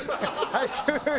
はい終了！